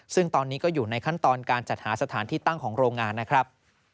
ซึ่งตอนนี้ก็อยู่ในขั้นตอนการจัดหาสถานที่ตั้งของโรงงานนะครับ